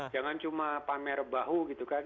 jangan cuma pamer bahu gitu kan